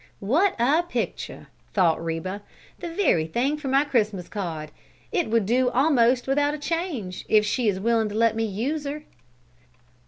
"What a picture!" thought Reba. "The very thing for my Christmas card! It would do almost without a change, if only she is willing to let me use her."